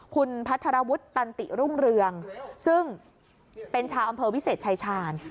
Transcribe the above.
คุณพัทรวุฒิตันติรุ่งเรืองซึ่งเป็นชาวอำเภอวิเศษชายชาญ